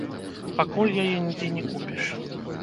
Пакуль яе нідзе не купіш.